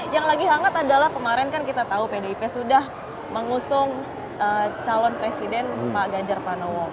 yang lagi hangat adalah kemarin kan kita tahu pdip sudah mengusung calon presiden pak ganjar pranowo